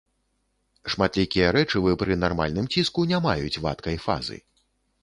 Шматлікія рэчывы пры нармальным ціску не маюць вадкай фазы.